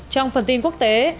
trong phần tin quốc tế